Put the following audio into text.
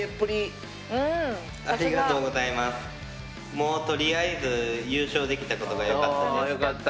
もうとりあえず優勝できたことがよかったです。